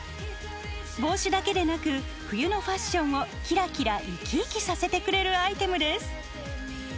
帽子だけでなく冬のファッションをキラキラ生き生きさせてくれるアイテムです。